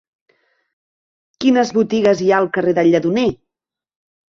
Quines botigues hi ha al carrer del Lledoner?